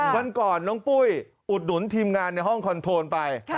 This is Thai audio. วันก่อนน้องปุ้ยอุดหนุนทีมงานในห้องคอนโทนไป